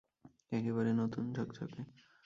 একেবারে নতুন, ঝকঝকে।